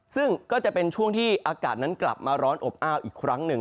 ซึ่งก็จะเป็นช่วงที่อากาศนั้นกลับมาร้อนอบอ้าวอีกครั้งหนึ่ง